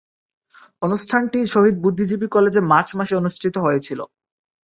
অনুষ্ঠানটি শহীদ বুদ্ধিজীবী কলেজে মার্চ মাসে অনুষ্ঠিত হয়েছিলো।